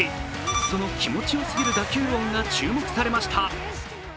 その気持ちよすぎる打球音が注目されました。